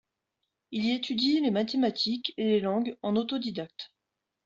Il y étudie les mathématiques et les langues en autodidacte.